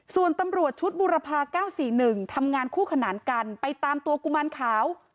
ส่วนตำรวจชุดบุรพา๙๔๑ทำงานคู่ขนานกันไปตามตัวกุมารขาว